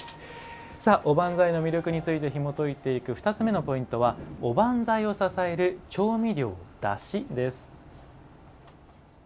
おばんざいの魅力についてひもといていく２つ目のポイントは「おばんざいを支える調味料・だし」です。